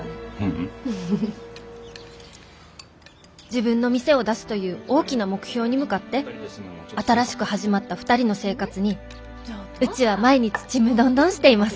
「自分の店を出すという大きな目標に向かって新しく始まった２人の生活にうちは毎日ちむどんどんしています」。